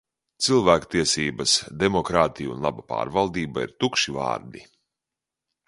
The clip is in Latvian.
Cilvēktiesības, demokrātija un laba pārvaldība ir tukši vārdi.